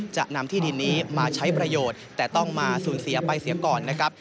จะนำที่ดินนี้มาใช้ประโยชน์แต่ต้องมาสูญเสียไปเสียก่อนนะครับ